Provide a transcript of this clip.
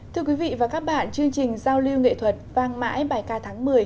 thưa quý vị và các bạn chương trình giao lưu nghệ thuật vang mãi bài ca tháng một mươi